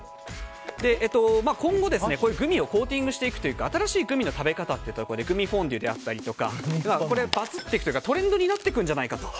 今後、こういうグミをコーティングしていくというか新しいグミの食べ方グミフォンデュだったりがバズっていくというかトレンドになるんじゃないかと。